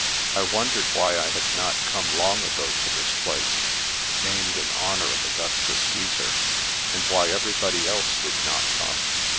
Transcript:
I wondered why I had not come long ago to this place, named in honour of Augustus Caesar, and why everybody else did not come.